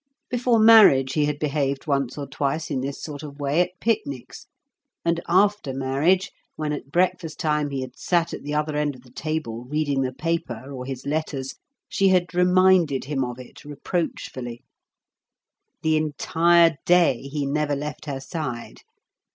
Before marriage he had behaved once or twice in this sort of way at picnics; and after marriage, when at breakfast time he had sat at the other end of the table reading the paper or his letters, she had reminded him of it reproachfully. The entire day he never left her side.